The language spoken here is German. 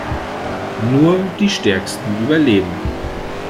Nur die Stärksten überleben.